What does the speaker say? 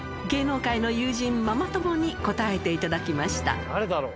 芸能界の友人、ママ友に答えていただきました。